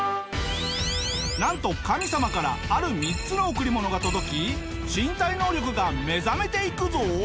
なんと神様からある３つの贈り物が届き身体能力が目覚めていくぞ！